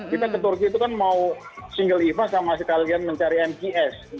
kita ke turki itu kan mau single event sama sekalian mencari mks